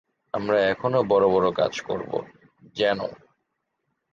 আমরা এখনও বড় বড় কাজ করব, জেনো।